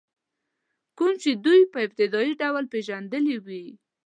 کوم چې دوی په ابتدایي ډول پېژندلي وي.